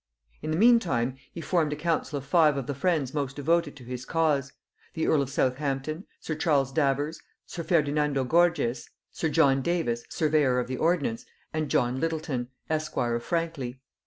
In the meantime he formed a council of five of the friends most devoted to his cause: the earl of Southampton, sir Charles Davers, sir Ferdinando Gorges, sir John Davis surveyor of the ordnance, and John Littleton esquire of Frankley.